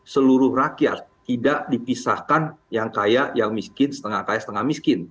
seluruh rakyat tidak dipisahkan yang kaya yang miskin setengah kaya setengah miskin